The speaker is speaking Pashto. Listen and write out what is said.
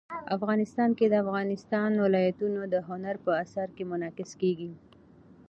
افغانستان کې د افغانستان ولايتونه د هنر په اثار کې منعکس کېږي.